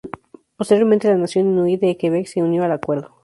Posteriormente, la Nación Inuit de Quebec se unió al acuerdo.